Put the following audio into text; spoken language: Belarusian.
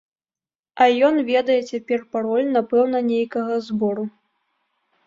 А ён ведае цяпер пароль напэўна нейкага збору.